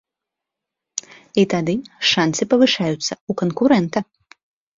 І тады шанцы павышаюцца ў канкурэнта.